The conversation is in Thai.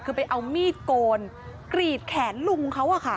คือไปเอามีดโกนกรีดแขนลุงเขา